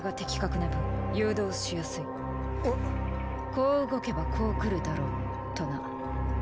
こう動けばこう来るだろうとな。